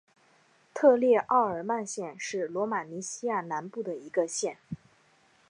特列奥尔曼县是罗马尼亚南部的一个县。